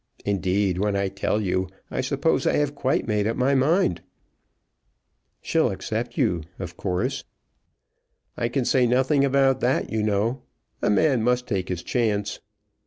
Indeed, when I tell you, I suppose I have quite made up my mind." "She'll accept you, of course." "I can say nothing about that, you know. A man must take his chance.